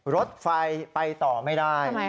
รถไฟไปต่อไม่ได้